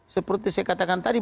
seperti saya katakan tadi